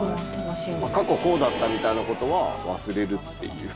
過去こうだったみたいな事は忘れるっていう。